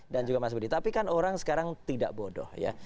dan juga mas budi tapi kan orang sekarang tidak bodoh ya